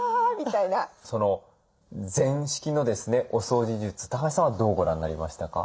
その禅式のですねお掃除術橋さんはどうご覧になりましたか？